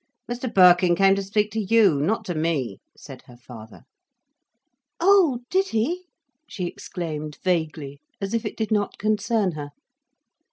"Mr Birkin came to speak to you, not to me," said her father. "Oh, did he!" she exclaimed vaguely, as if it did not concern her.